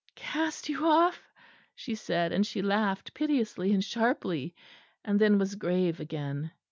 "Cast you off?" she said; and she laughed piteously and sharply; and then was grave again.